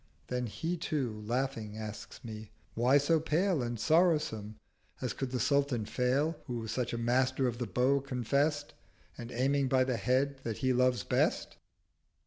Then He too laughing asks me "Why so pale And sorrow some? as could the Sultan fail, Who such a master of the Bow confest, And aiming by the Head that he loves best."'